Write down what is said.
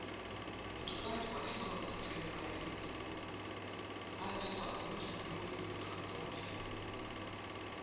—But why do I follow that train of ideas? I was talking of removing you from Thornfield.